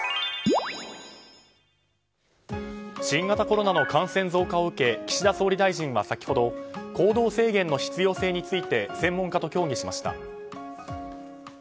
新型コロナの感染増加を受け岸田総理大臣は先ほど行動制限の必要性について専門家と協議しました。